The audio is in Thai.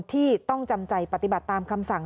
ที่ต้องจำใจปฏิบัติตามคำสั่ง